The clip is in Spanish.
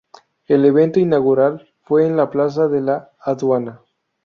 El evento inaugural fue en la plaza de La Aduana.